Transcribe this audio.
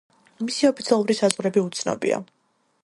მისი ოფიციალური საზღვრები უცნობია.